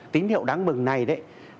tín hiệu đáng mừng này đấy